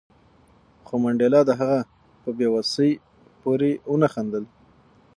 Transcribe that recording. خو منډېلا د هغه په بې وسۍ پورې ونه خندل.